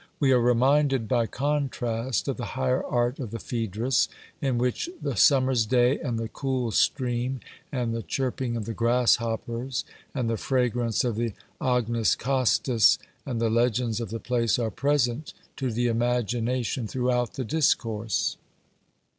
We are reminded by contrast of the higher art of the Phaedrus, in which the summer's day, and the cool stream, and the chirping of the grasshoppers, and the fragrance of the agnus castus, and the legends of the place are present to the imagination throughout the discourse.